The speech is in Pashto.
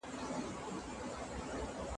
که فراغت وي نو زده کړه نه بې پایلې کیږي.